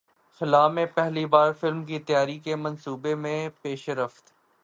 خلا میں پہلی بار فلم کی تیاری کے منصوبے میں پیشرفت